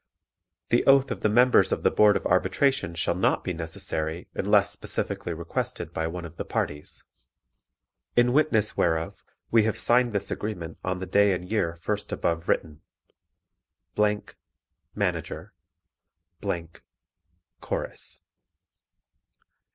The oath of the members of the Board of Arbitration shall not be necessary unless specifically requested by one of the parties. IN WITNESS WHEREOF we have signed this agreement on the day and year first above written. Manager. Chorus.